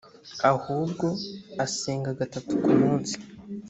ahubwo asenga gatatu ku munsi